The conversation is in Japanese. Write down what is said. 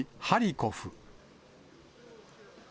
ハリコフ。